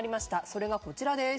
それがこちらです。